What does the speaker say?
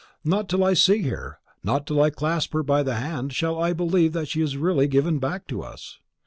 "Not till I see her, not till I clasp her by the hand, shall I believe that she is really given back to us."